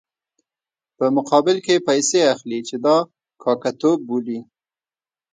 په مقابل کې یې پیسې اخلي چې دا کاکه توب بولي.